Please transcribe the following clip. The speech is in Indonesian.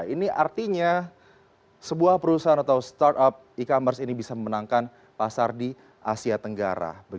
ini artinya sebuah perusahaan atau startup e commerce ini bisa memenangkan pasar di asia tenggara